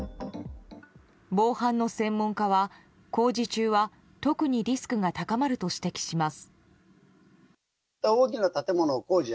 防犯の専門家は工事中は特にリスクが高まると指摘します。